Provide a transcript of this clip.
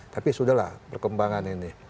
tapi sudah lah perkembangan ini